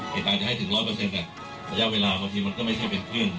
เหตุการณ์จะให้ถึงร้อยเปอร์เซ็นต์เนี่ยระยะเวลาบางทีมันก็ไม่ใช่เป็นเครื่อง